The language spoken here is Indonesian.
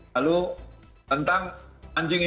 lalu tentang anjing ini